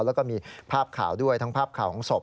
แล้วก็มีภาพข่าวด้วยทั้งภาพข่าวของศพ